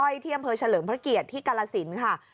อ้อยที่อำเภอเฉลิมพระเกียรติที่กรรศิลป์ค่ะ